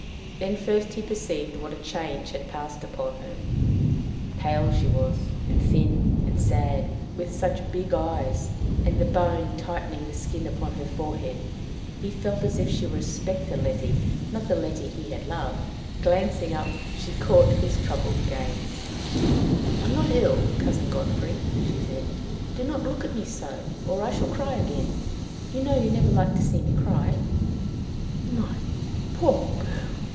Then first he perceived what a change had passed upon her. Pale was she, and thin, and sad, with such big eyes, and the bone tightening the skin upon her forehead! He felt as if she were a spectre Letty, not the Letty he had loved. Glancing up, she caught his troubled gaze. "I am not ill, Cousin Godfrey," she said. "Do not look at me so, or I shall cry again. You know you never liked to see me cry." "My poor girl!"